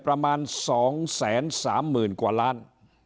ประมาณ๒แสน๓หมื่นกว่าล้าน